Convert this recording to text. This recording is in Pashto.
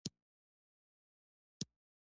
تر ستوني تېر کړ، کېدای شي د کور خاوند.